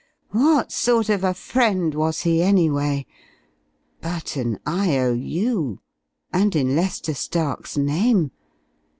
What sort of a friend was he, anyway? But an I.O.U.!... And in Lester Stark's name!